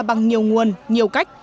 bằng nhiều nguồn nhiều cách